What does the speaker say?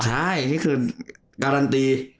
ใช่นี่คือการันตี